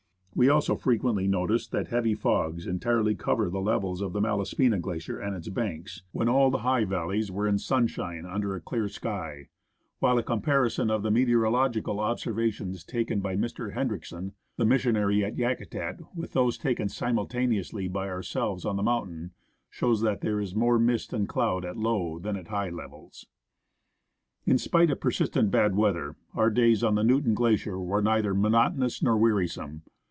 We also frequently noticed heavy fogs entirely covering the levels of the Malaspina Glacier and its banks when all the high valleys were in sunshine under a clear sky ; while a comparison of the meteorological observations taken by Mr. Hendriksen, the missionary at Yakutat,^ with those taken simultaneously by ourselves on the mountain, shows that there is more mist and cloud at low than at high levels. In spite of persistent bad weather, our days on the Newton Glacier were neither monotonous nor wearisome.